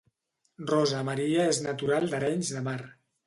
Rosa Maria és natural d'Arenys de Mar